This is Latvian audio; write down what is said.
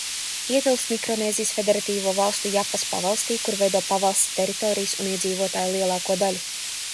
Ietilpst Mikronēzijas Federatīvo Valstu Japas pavalstī, kur veido pavalsts teritorijas un iedzīvotāju lielāko daļu.